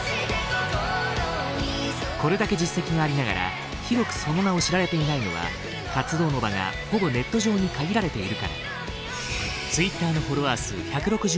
これだけ実績がありながら広くその名を知られていないのは活動の場がほぼネット上に限られているから。